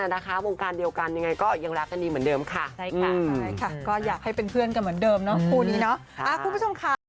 แล้วเราแบบสบายดีไหมเป็นอย่างไรบ้างแค่นั้นเอง